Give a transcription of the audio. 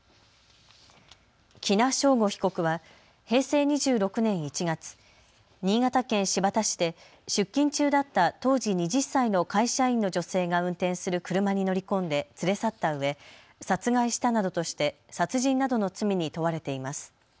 喜納尚吾被告は平成２６年１月、新潟県新発田市で出勤中だった当時２０歳の会社員の女性が運転する車に乗り込んで連れ去ったうえ殺害したなどとして殺人などの罪に問われています。